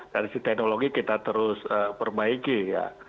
dari sisi teknologi kita terus perbaiki ya